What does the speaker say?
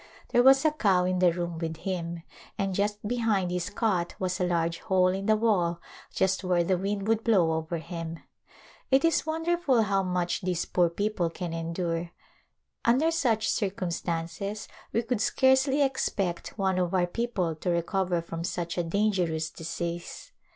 There was a cow in the room with him, and just behind his cot was a large hole in the wall just where the wind would blow over him. It is wonderful how much these poor peo ple can endure. Under such circumstances we could scarcely expect one of our people to recover from such a dangerous disease.